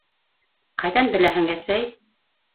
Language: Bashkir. — Ҡайҙан беләһең, әсәй?